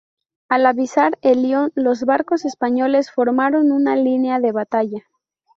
Al avistar el Lion, los barcos españoles formaron una línea de batalla.